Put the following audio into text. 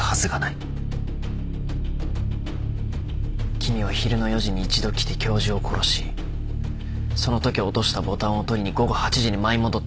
君は昼の４時に一度来て教授を殺しそのとき落としたボタンを取りに午後８時に舞い戻った。